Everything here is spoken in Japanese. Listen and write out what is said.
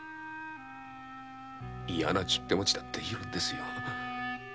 嫌な十手持ちだって居るんですよ。